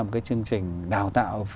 một cái chương trình đào tạo